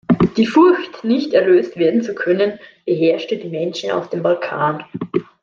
Die Furcht, nicht erlöst werden zu können, beherrschte die Menschen auf dem Balkan.